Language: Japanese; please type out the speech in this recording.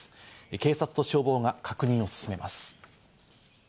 警察と消防が確認を進めます。